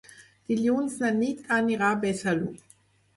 Dilluns na Nit anirà a Besalú.